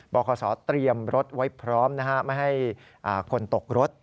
คศเตรียมรถไว้พร้อมไม่ให้คนตกรถ